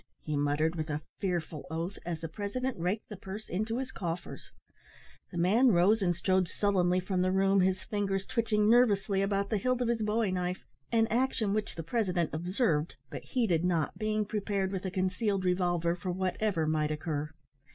"Nothin'!" he muttered with a fearful oath, as the president raked the purse into his coffers. The man rose and strode sullenly from the room, his fingers twitching nervously about the hilt of his bowie knife; an action which the president observed, but heeded not, being prepared with a concealed revolver for whatever might occur.